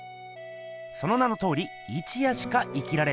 その名のとおり一夜しか生きられない